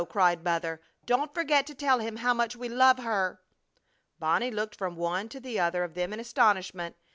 cried Mother. "Don't forget to tell him how much we love her!" Bonnie looked from one to the other of them in astonishment.